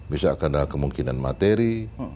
bisa ada kemungkinan materi